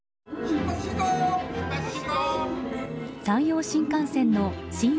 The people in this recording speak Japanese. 山陽新幹線の新